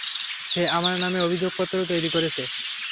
সে আমার নামে অভিযোগপত্র তৈরি করেছে?